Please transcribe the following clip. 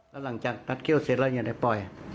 แล้วหลังจากตัดเข้าเสร็จแล้วอย่างไรปล่อย